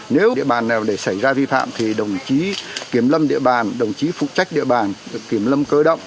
nếu địa bàn nào để xảy ra vi phạm thì đồng chí kiểm lâm địa bàn đồng chí phụ trách địa bàn kiểm lâm cơ động